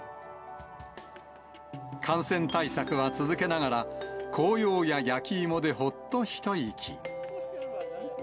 感染対策は続けながら、紅葉や焼き芋でほっと一息。